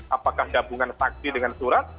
apakah gabungan saksi dengan surat